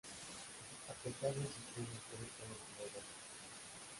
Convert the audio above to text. A pesar de sus tres mujeres, solo tuvo dos hijos.